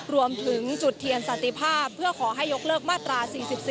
รวมถึงจุดเทียนสันติภาพเพื่อขอให้ยกเลิกมาตรา๔๔